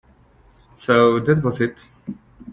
So that was it.